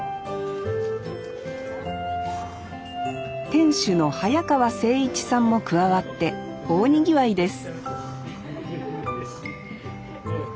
店主の早川清一さんも加わって大にぎわいです